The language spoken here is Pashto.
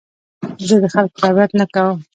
زه د خلکو غیبت نه کوم.